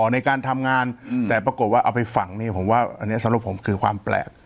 ในการทำงานแต่ปรากฏว่าเอาไปฝังเนี่ยผมว่าอันนี้สำหรับผมคือความแปลก